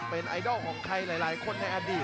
เป็นไอดอลของใครหลายคนในอดีต